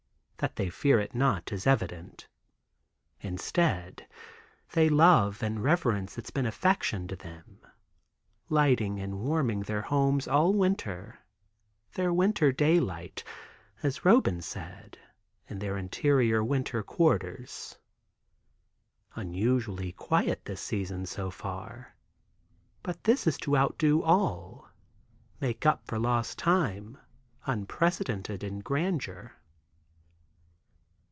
That they fear it not, is evident. Instead they love and reverence its benefaction to them—lighting and warming their homes all winter; their winter daylight—as Roban said, in their interior winter quarters. Unusually quiet this season so far, but this is to outdo all, make up for lost time, unprecedented in grandeur.